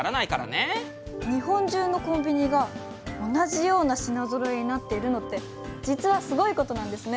日本中のコンビニが同じような品ぞろえになっているのって実はすごいことなんですね。